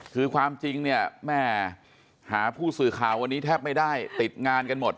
คือความจริงเนี่ยแม่หาผู้สื่อข่าววันนี้แทบไม่ได้ติดงานกันหมด